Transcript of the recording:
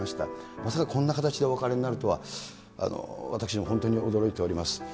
まさかこんな形でお別れになるとは私ども、本当に驚いております。